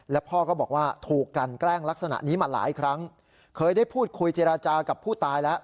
แล้วพ่อก็บอกว่าถูกกันแกล้งลักษณะนี้มาหลายครั้งเคยได้พูดคุยเจรจากับผู้ตายแล้ว